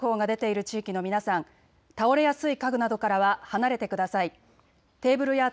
緊急地震速報が出ている地域の皆さん、倒れやすい家具などからは離れてください。